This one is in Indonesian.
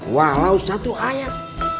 walau satu ayat